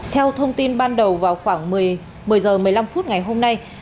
theo thông tin ban đầu vào khoảng một mươi h một mươi năm phút ngày hôm nay